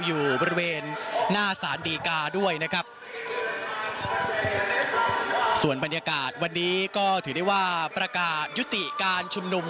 อยู่บริเวณหน้าสารดีกาด้วยนะครับส่วนบรรยากาศวันนี้ก็ถือได้ว่าประกาศยุติการชุมนุม